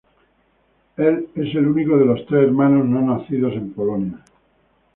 Él es el único de los tres hermanos no nacidos en Polonia.